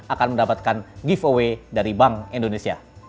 akan mendapatkan giveaway dari bank indonesia